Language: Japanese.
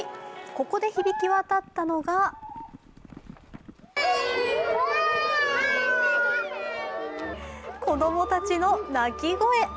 ここで響き渡ったのが子供たちの泣き声。